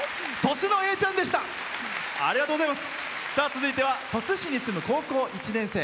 続いては鳥栖市に住む高校１年生。